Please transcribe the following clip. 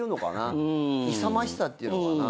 勇ましさっていうのかな。